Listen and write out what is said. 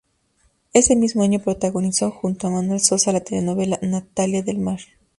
Ese mismo año protagonizó, junto a Manuel Sosa, la telenovela "Natalia del mar".